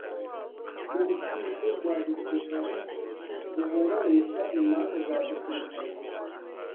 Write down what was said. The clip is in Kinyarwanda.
Urukiko rwa Gisirikare ruburanisha imanza zagisirikare gusa